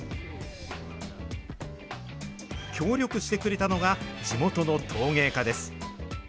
協力してくれたのが、地元の陶芸家です。